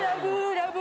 ラブ！